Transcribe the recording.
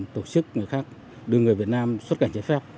tổ chức người khác đưa người việt nam xuất cảnh trái phép